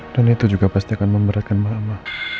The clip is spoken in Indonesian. dan itu juga pasti akan memberatkan mama